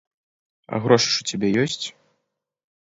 А грошы ж у цябе ёсць?